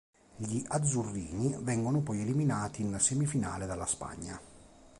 Gli "Azzurrini" vengono poi eliminati in semifinale dalla Spagna.